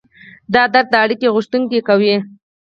دا درد د اړیکې غوښتنه کوي.